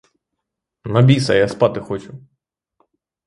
На біса, — я спати хочу.